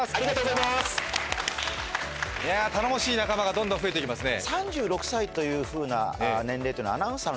いや頼もしい仲間がどんどん増えていきますね